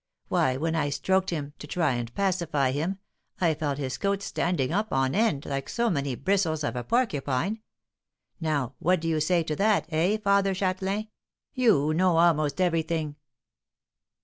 Why, when I stroked him, to try and pacify him, I felt his coat standing up on end like so many bristles of a porcupine. Now, what do you say to that, eh, Father Châtelain you who know almost everything?"